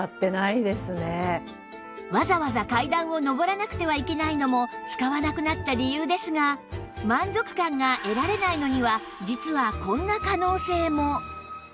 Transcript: わざわざ階段を上らなくてはいけないのも使わなくなった理由ですが満足感が得られないのには実はこんな可能性も